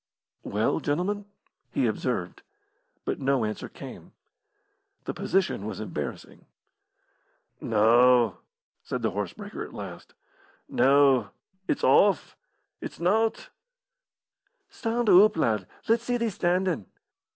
"Well, gentlemen?" he observed, but no answer came. The position was embarrassing. "No," said the horse breaker, at last. "No. It's off. It's nowt." "Stand oop, lad; let's see thee standin'."